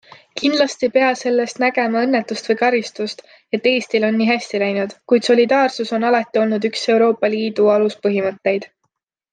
Kindlasti ei pea sellest nägema õnnetust või karistust, et Eestil on nii hästi läinud, kuid solidaarsus on alati olnud üks ELi aluspõhimõtteid.